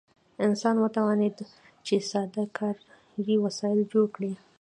انسان وتوانید چې ساده کاري وسایل جوړ کړي.